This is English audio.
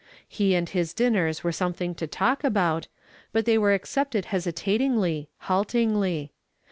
He and his dinners were something to talk: about, but they were accepted hesitatingly, haltingly.